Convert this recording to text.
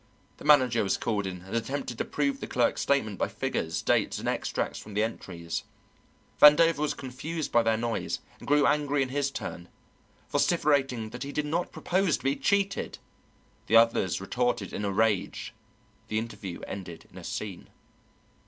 The manager was called in and attempted to prove the clerk's statement by figures, dates, and extracts from the entries. Vandover was confused by their noise, and grew angry in his turn; vociferating that he did not propose to be cheated, the others retorted in a rage, the interview ended in a scene.